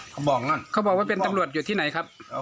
เขาก็บอกว่าเป็นตำรวจอยู่ที่ไหนครับอ่า